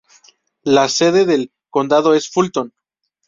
Las sede del condado es Fulton.